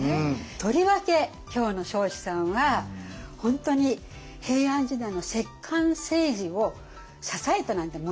とりわけ今日の彰子さんは本当に平安時代の摂関政治を支えたなんてもんじゃない。